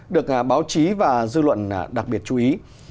được báo chí và dư luận đặc biệt chú ý